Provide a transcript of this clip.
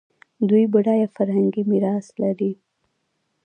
دوی بډایه فرهنګي میراث لري.